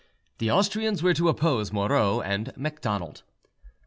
The Austrians were to oppose Moreau and Macdonald.